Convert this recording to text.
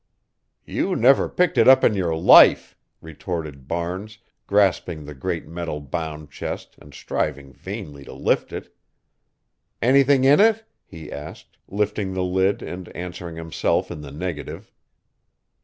"You never picked it up in your life," retorted Barnes, grasping the great metal bound chest and striving vainly to lift it. "Anything in it?" he asked, lifting the lid and answering himself in the negative.